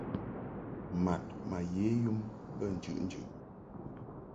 Mad ma ye yum be njɨʼnjɨʼ.